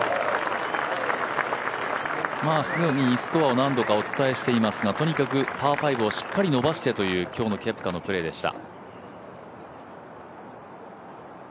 スコアを何度かお伝えしていますが、とにかくパー５をしっかり伸ばしてという今日のケプカのプレーでした。